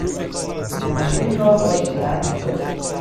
اتومبیل را با شیلنگ شست.